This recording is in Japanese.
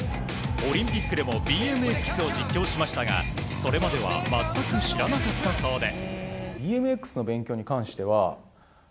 オリンピックでもＢＭＸを実況しましたがそれまでは全く知らなかったそうで。